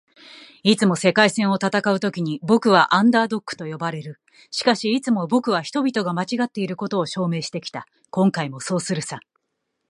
「いつも“世界戦”を戦うときに僕は『アンダードッグ』と呼ばれる。しかし、いつも僕は人々が間違っていることを証明してきた。今回もそうするさ」